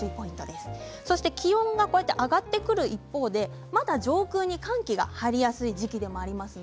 気温が上がってくる一方でまだ上空に寒気が入り込みやすい時期でもあります。